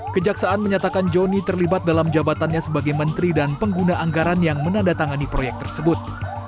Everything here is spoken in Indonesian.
kejaksaan menyatakan joni terlibat dalam jabatannya sebagai menteri dan pengguna anggaran yang menandatangani proyek tersebut